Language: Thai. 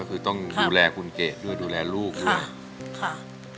ก็คือต้องดูแลคุณเกดด้วยดูแลลูกด้วยค่ะ